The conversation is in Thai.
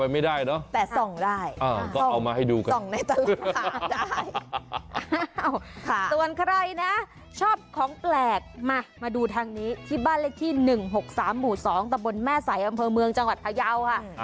มาดูทางนี้ที่บรรยาที่๑๖๓๒ตะบลแม่สายอำเปราเมืองจังหวัดพระเยาะ